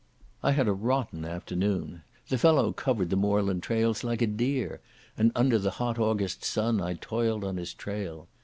I had a rotten afternoon. The fellow covered the moorland miles like a deer, and under the hot August sun I toiled on his trail.